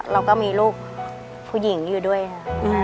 เราก็มีลูกผู้หญิงอยู่ด้วยค่ะ